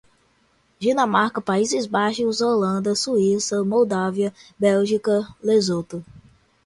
Dinamarca, Países Baixos, Holanda, Suíça, Moldávia, Bélgica, Lesoto